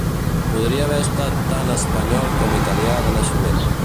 Podria haver estat tant Espanyol com Italià de naixement.